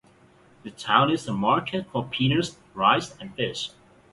The town is a market for peanuts, rice and fish.